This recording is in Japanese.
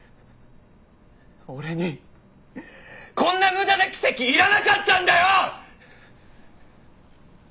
俺にこんな無駄な奇跡いらなかったんだよ！